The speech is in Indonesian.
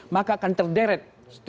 maka akan terderet